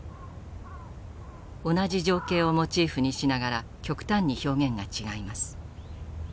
同じ情景をモチーフにしながら極端に表現が違います。